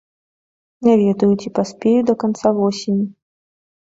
Не ведаю, ці паспею да канца восені.